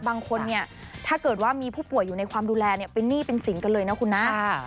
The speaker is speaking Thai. บางคนเนี่ยถ้าเกิดว่ามีผู้ป่วยอยู่ในความดูแลเนี่ยเป็นหนี้เป็นสินกันเลยนะคุณนะ